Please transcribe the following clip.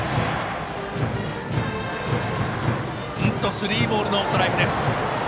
スリーボール、ノーストライク。